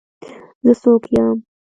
زه څوک يم.